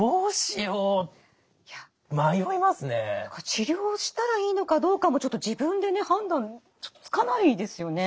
治療したらいいのかどうかも自分で判断つかないですよね。